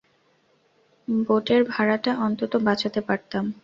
বোটের ভাড়াটা অন্তত বাঁচাতে পারতাম।